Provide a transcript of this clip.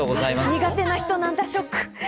苦手な人なんだ、ショック。